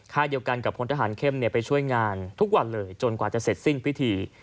เดียวกันกับพลทหารเข้มไปช่วยงานทุกวันเลยจนกว่าจะเสร็จสิ้นพิธี